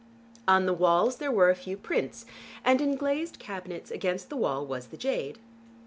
On the walls there were a few prints, and in glazed cabinets against the wall was the jade.